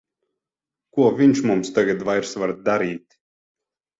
Ko viņš mums tagad vairs var darīt!